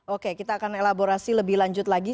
oke kita akan elaborasi lebih lanjut lagi